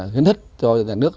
khuyến thức cho nhà nước